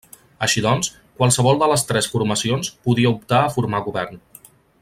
Així doncs, qualsevol de les tres formacions podia optar a formar govern.